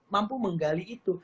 mampu menggali itu